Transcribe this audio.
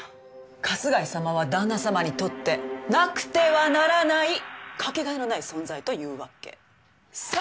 春日井様は旦那様にとってなくてはならないかけがえのない存在というわけ。さ！